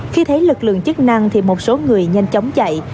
khi thấy lực lượng chức năng thì một số người nhanh chóng chạy